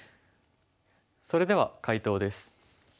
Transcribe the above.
それでは解答です。